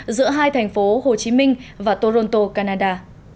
giữa hai thành phố hồ chí minh và toronto canada